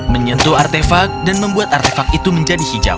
menyentuh artefak dan membuat artefak itu menjadi hijau